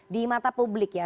di mata publik ya